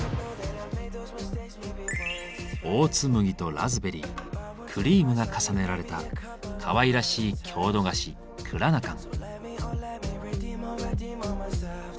オーツ麦とラズベリークリームが重ねられたかわいらしい郷土菓子「クラナカン」。